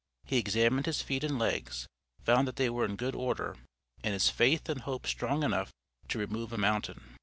He examined his feet and legs, found that they were in good order, and his faith and hope strong enough to remove a mountain.